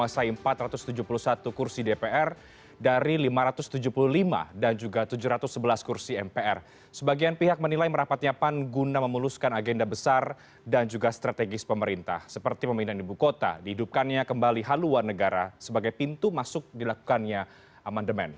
seperti pemindahan ibu kota dihidupkannya kembali haluan negara sebagai pintu masuk dilakukannya aman demand